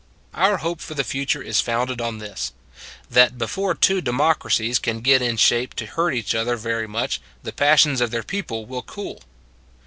Our hope for the future is founded on this that before two democracies can get in shape to hurt each other very much the passions of their people will cool.